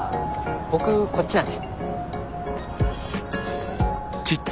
僕こっちなんで。